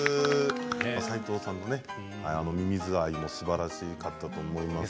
斉藤さんのミミズ愛もすばらしかったと思います。